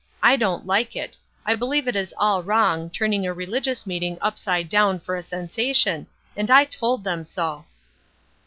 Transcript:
I don't like it; I believe it is all wrong, turning a religious meeting upside down for a sensation, and I told them so."